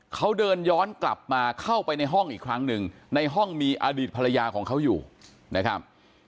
เขาเดินย้อนกลับมาเข้าไปในห้องอีกครั้งหนึ่งในห้องมีอดีตภรรยาของเขาอยู่นะครับ